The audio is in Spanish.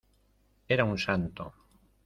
¡ era un santo!